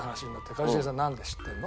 「一茂さんなんで知ってるの？」